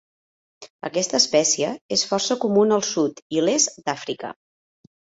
Aquesta espècie és força comuna al sud i l'est d'Àfrica.